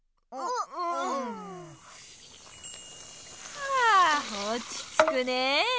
はぁおちつくねえ。